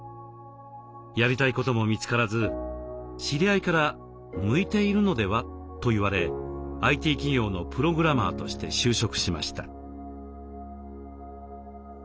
やりたいことも見つからず知り合いから「向いているのでは？」と言われＩＴ企業のプログラマーとして就職しました。